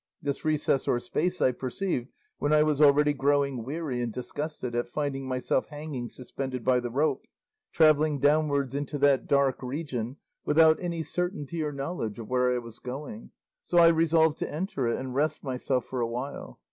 This recess or space I perceived when I was already growing weary and disgusted at finding myself hanging suspended by the rope, travelling downwards into that dark region without any certainty or knowledge of where I was going, so I resolved to enter it and rest myself for a while.